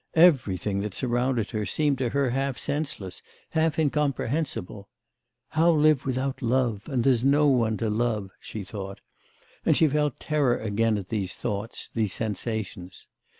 Everything that surrounded her seemed to her half senseless, half incomprehensible. 'How live without love? and there's no one to love!' she thought; and she felt terror again at these thoughts, these sensations.